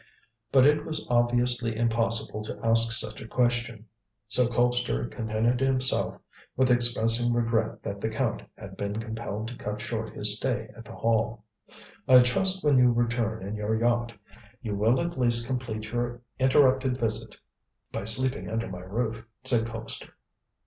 But it was obviously impossible to ask such a question, so Colpster contented himself with expressing regret that the Count had been compelled to cut short his stay at the Hall. "I trust when you return in your yacht you will at least complete your interrupted visit by sleeping under my roof," said Colpster.